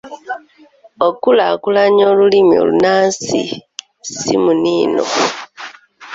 Okukulaakulanya olulimi olunnansi si muniino.